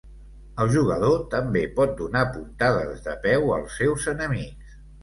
El jugador també pot donar puntades de peu als seus enemics.